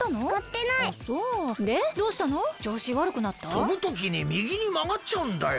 とぶときにみぎにまがっちゃうんだよ。